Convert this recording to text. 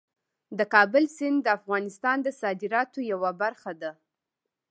د کابل سیند د افغانستان د صادراتو یوه برخه ده.